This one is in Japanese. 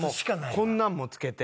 こんなんも付けて。